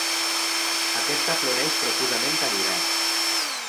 Aquesta floreix profusament a l'hivern.